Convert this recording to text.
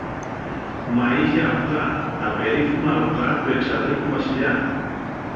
Μα είχε αυγά, τα περίφημα αυγά του εξαδέλφου Βασιλιά.